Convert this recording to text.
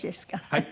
はい。